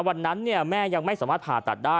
วันนั้นแม่ยังไม่สามารถผ่าตัดได้